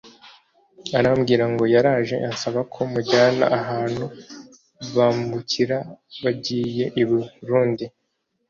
Arambwira ngo ‘yaraje ansaba ko mujyana ahantu bambukira bagiye i Burundi